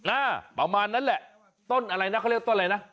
อ่าประมาณนั้นแหละต้นอะไรนะเขาเรียกว่าต้นอะไรนะ